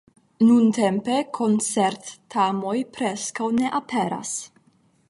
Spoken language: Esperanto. Nuntempe koncert-tamoj preskaŭ ne aperas.